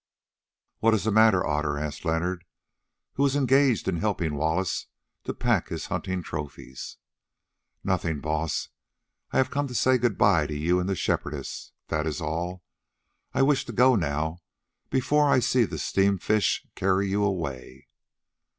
"What is the matter, Otter?" asked Leonard, who was engaged in helping Wallace to pack his hunting trophies. "Nothing, Baas; I have come to say good bye to you and the Shepherdess, that is all. I wish to go now before I see the Steam fish carry you away."